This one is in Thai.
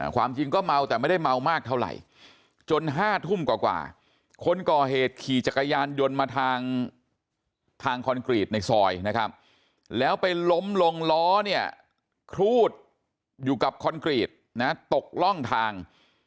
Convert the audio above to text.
ความจริงก็เมาแต่ไม่ได้เมามากเท่าไหร่จน๕ทุ่มกว่าคนก่อเหตุขี่จักรยานยนต์มาทางคอนกรีตในซอยนะครับแล้วไปล้มลงล้อเนี่ยครูดอยู่กับคอนกรีตนะตกร่องทาง